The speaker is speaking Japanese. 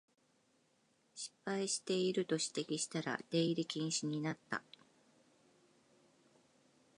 失敗してると指摘したら出入り禁止になった